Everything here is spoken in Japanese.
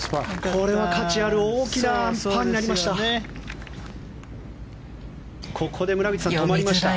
これは価値ある大きなパーになりました！